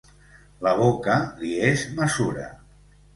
La boca li és mesura.